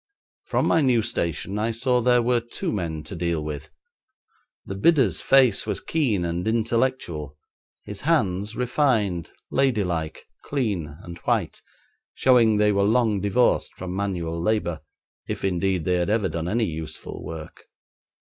From my new station I saw there were two men to deal with. The bidder's face was keen and intellectual; his hands refined, lady like, clean and white, showing they were long divorced from manual labour, if indeed they had ever done any useful work.